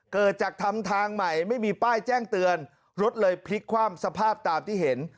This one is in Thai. เกิดจากทำทางใหม่ไม่มีป้ายแจ้งเตือนรถเลยพลิกคว่ำสภาพตามที่เห็น